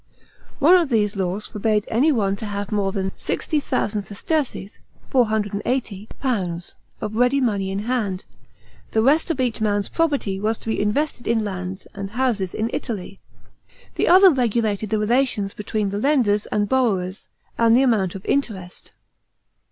Oue of these laws forbade any one to have more than 60,000 sesterces (£480) of ready money in hand ; the rest of each man's property was to be invested in lands and houses in Italy. The other regulated the relations between lenders and borrowers, and the amount of interest.